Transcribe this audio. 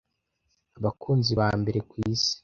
abakunzi ba mbere kwisi